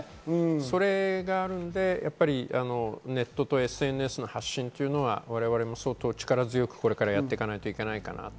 それがあるので、ネットとＳＮＳの発信で我々も力強くやっていかないといけないかなと。